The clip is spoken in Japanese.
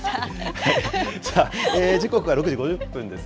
時刻は６時５０分です。